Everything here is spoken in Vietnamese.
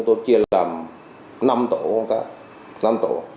tôi chia làm năm tổ